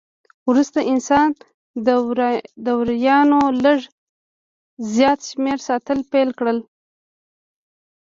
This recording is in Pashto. وروسته انسان د وریانو لږ زیات شمېر ساتل پیل کړل.